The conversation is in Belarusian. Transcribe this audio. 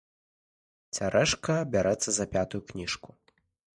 Цярэшка бярэцца за пятую кніжку.